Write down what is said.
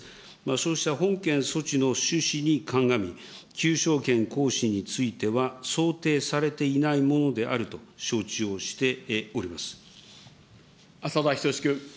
そうした本件措置の趣旨に鑑み、求償権行使については、想定されていないものであると承知をして浅田均君。